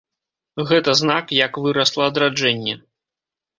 Гэта знак, як вырасла адраджэнне.